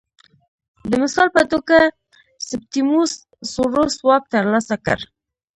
د مثال په توګه سیپټیموس سوروس واک ترلاسه کړ